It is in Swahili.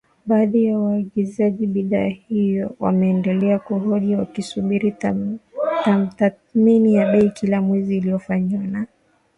Baadhi ya waagizaji bidhaa hiyo wameendelea kuhoji wakisubiri tathmini ya bei kila mwezi inayofanywa na Mamlaka ya Udhibiti wa Nishati na Petroli Aprili kumi na nne.